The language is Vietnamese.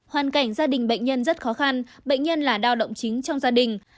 hoàn cảnh gia đình bệnh nhân rất khó khăn bệnh nhân là lao động chính trong gia đình